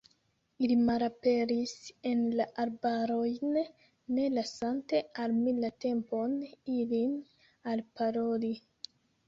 Ili malaperis en la arbarojn, ne lasante al mi la tempon, ilin alparoli.